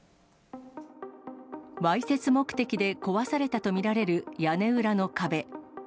わいせつ目的で壊されたと見られる屋根裏の壁。